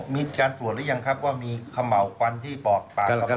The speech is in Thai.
มีการตรวจหรือยังครับว่ามีเขม่าวควันที่ปอกปาก